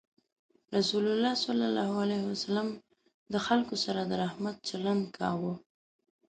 رسول الله صلى الله عليه وسلم د خلکو سره د رحمت چلند کاوه.